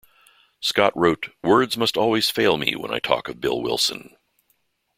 Scott wrote Words must always fail me when I talk of Bill Wilson.